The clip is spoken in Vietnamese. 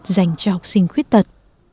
dành cho học sinh khuyết tật